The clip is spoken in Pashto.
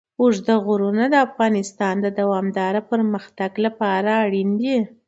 اوږده غرونه د افغانستان د دوامداره پرمختګ لپاره اړین دي.